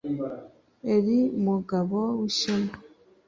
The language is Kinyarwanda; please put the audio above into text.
Elie Mugabowishema